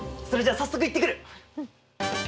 それじゃ早速行ってくる！